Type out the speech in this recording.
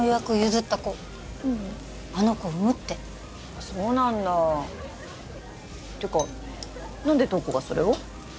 譲った子あの子産むってそうなんだてか何で瞳子がそれを？